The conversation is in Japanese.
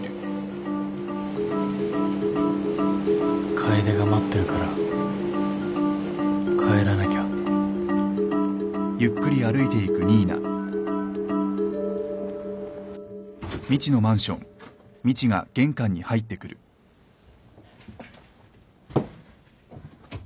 楓が待ってるから帰らなきゃん？